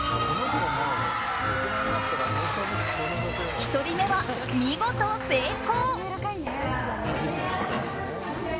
１人目は見事成功。